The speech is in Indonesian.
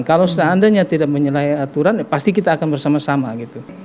kalau seandainya tidak menyelahi aturan pasti kita akan bersama sama gitu